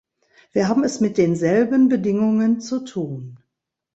Wir haben es mit denselben Bedingungen zu tun.